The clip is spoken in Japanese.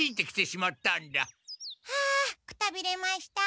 あくたびれました。